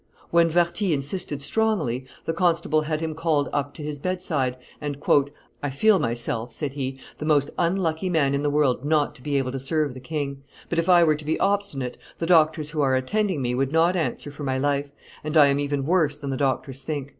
When Warthy insisted strongly, the constable had him called up to his bedside; and "I feel myself," said he, "the most unlucky man in the world not to be able to serve the king; but if I were to be obstinate, the doctors who are attending me would not answer for my life, and I am even worse than the doctors think.